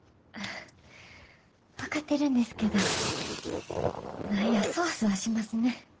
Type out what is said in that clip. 分かってるんですけど何やソワソワしますね。